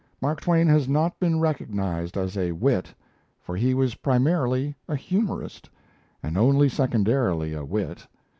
Mark Twain has not been recognized as a wit; for he was primarily a humorist, and only secondarily a wit.